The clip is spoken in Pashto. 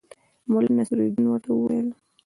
ملا نصرالدین ورته وویل.